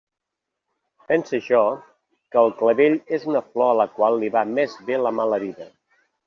Pense jo que el clavell és una flor a la qual li va més bé la mala vida.